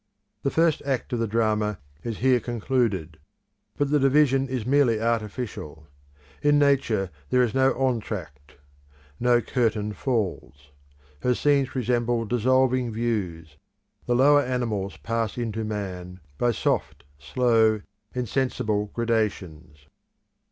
The first act of the drama is here concluded: but the division is merely artificial; in Nature there is no entr'acte; no curtain falls. Her scenes resemble dissolving views; the lower animals pass into man by soft, slow, insensible gradations.